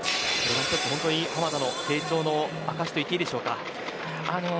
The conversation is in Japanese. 濱田の成長の証しと言っていいでしょうか。